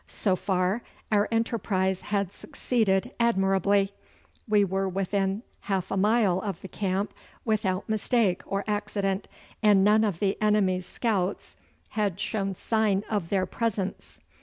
So far our enterprise had succeeded admirably. We were within half a mile of the camp without mistake or accident, and none of the enemy's scouts had shown sign of their presence.